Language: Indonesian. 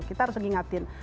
kita harus diingatkan